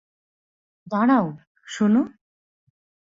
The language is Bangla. দাঁড়াও, শোনো?